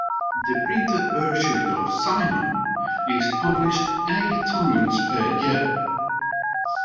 The printed version of "Signum" is published eight times per year.